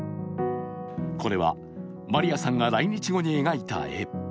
これはマリヤさんが来日後に描いた絵。